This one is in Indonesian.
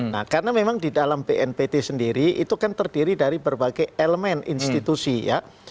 nah karena memang di dalam bnpt sendiri itu kan terdiri dari berbagai elemen institusi ya